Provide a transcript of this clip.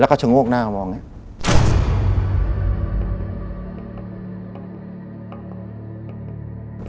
แล้วก็ชงวกหน้ากลับมองเนี้ย